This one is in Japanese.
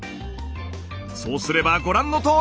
そうすればご覧のとおり！